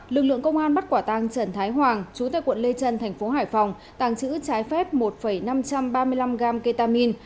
lực lượng công an bắt quả tàng trần thái hoàng chú tại quận lê trần tp hải phòng tàng trữ trái phép một năm trăm ba mươi năm g ketamine